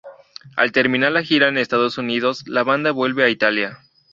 Al terminar la gira en Estados Unidos la banda vuelve a Italia.